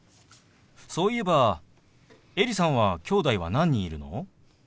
そういえばエリさんはきょうだいは何人いるの？